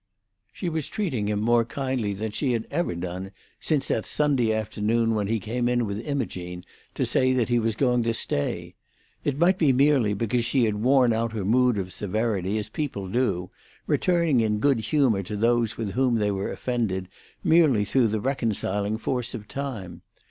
She was treating him more kindly than she had ever done since that Sunday afternoon when he came in with Imogene to say that he was going to stay. It might be merely because she had worn out her mood of severity, as people do, returning in good humour to those with whom they were offended, merely through the reconciling force of time.